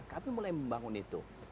tapi mulai membangun itu